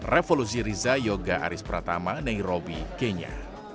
revolusi riza yoga aris pratama nairobi kenya